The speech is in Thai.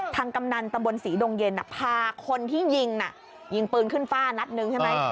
กำนันตำบลศรีดงเย็นพาคนที่ยิงน่ะยิงยิงปืนขึ้นฟ้านัดหนึ่งใช่ไหม